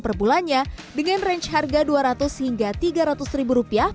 per bulannya dengan range harga dua ratus hingga tiga ratus ribu rupiah